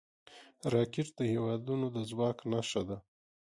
راکټ د هیوادونو د ځواک نښه ده